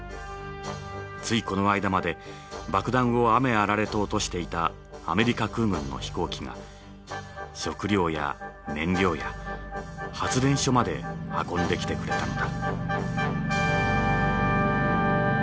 ついこの間まで爆弾を雨あられと落としていたアメリカ空軍の飛行機が食糧や燃料や発電所まで運んできてくれたのだ」。